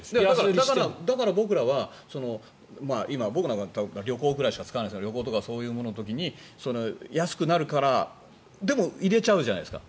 だから、僕らは今、僕なんかは旅行ぐらいしか使わないですが旅行とかそういうものの時に安くなるからでも入れちゃうじゃないですか。